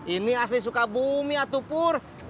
ini asli sukabumi ya tuh purr